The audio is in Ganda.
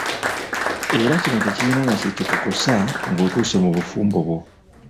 Era kino tekirina nakyekikukosa ng'otuuse mu bufumbo bwo.